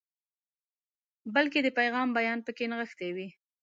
بلکې د پیغام بیان پکې نغښتی وي.